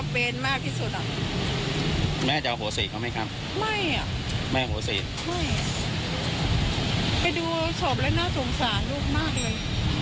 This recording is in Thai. ไปดูศพแล้วน่าสงสารลูกมากเลย